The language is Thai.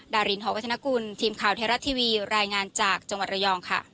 ดารินหอวัฒนกุลทีมข่าวไทยรัฐทีวีรายงานจากจังหวัดระยองค่ะ